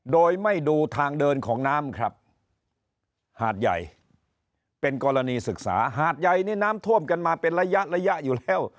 โดยไม่ดูทางเดินของน้ำครับหาดใหญ่เป็นกรณีศึกษาหาดใหญ่นี่น้ำท่วมกันมาเป็นระยะระยะอยู่แล้ว